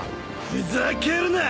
ふざけるな！